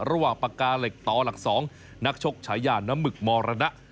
ระหว่างปากกาเหล็กต่อหลัก๒นักชกชาย่านน้ำมึกมรณะ